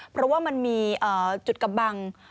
เพราะว่ามันมีจุดกำบัง